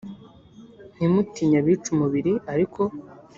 Ntimutinye abica umubiri ariko